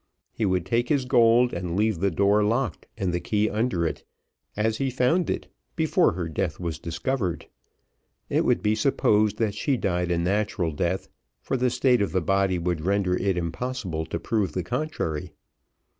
He would take his gold and leave the door locked and the key under it, as he found it before her death was discovered: it would be supposed that she died a natural death, for the state of the body would render it impossible to prove the contrary.